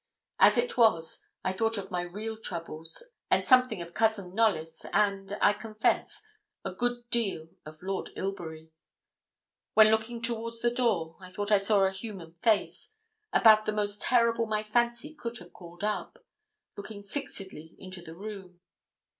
As it was, I thought of my real troubles, and something of Cousin Knollys, and, I confess, a good deal of Lord Ilbury. When looking towards the door, I thought I saw a human face, about the most terrible my fancy could have called up, looking fixedly into the room.